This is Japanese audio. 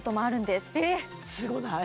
すごない？